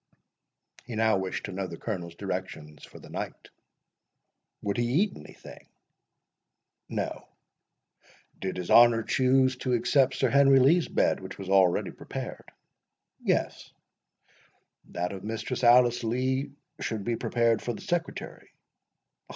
He now wished to know the Colonel's directions for the night. "Would he eat anything?" "No." "Did his honour choose to accept Sir Henry Lee's bed, which was ready prepared?" "Yes." "That of Mistress Alice Lee should be prepared for the Secretary."